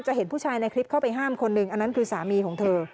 เห็นผู้ชายในคลิปเข้าไปห้ามคนหนึ่งอันนั้นคือสามีของเธอ